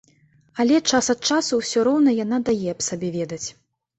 Але час ад часу ўсё роўна яна дае аб сабе ведаць.